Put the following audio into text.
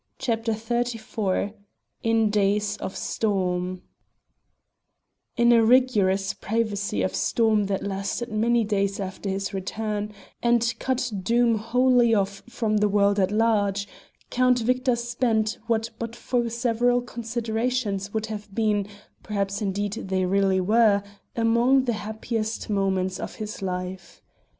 CHAPTER XXXIV IN DAYS OF STORM In a rigorous privacy of storm that lasted many days after his return, and cut Doom wholly off from the world at large, Count Victor spent what but for several considerations would have been perhaps indeed they really were among the happiest moments of his life.